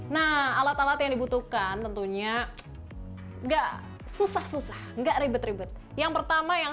nah alat alat yang dibutuhkan tentunya enggak susah susah nggak ribet ribet yang pertama yang